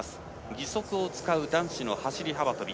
義足を使う男子の走り幅跳び。